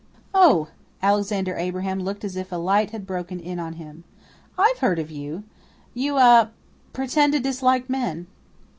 "Oh!" Alexander Abraham looked as if a light had broken in on him. "I've heard of you. You ah pretend to dislike men."